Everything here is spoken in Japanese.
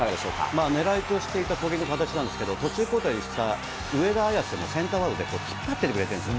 まあ、狙いとしていた攻撃の形なんですけど、途中交代した上田綺世もセンターで引っ張ってくれてるんです。